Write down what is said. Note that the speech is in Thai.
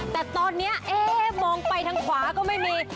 แต่ตอนนี้มองไปทางขวาก็ไม่มี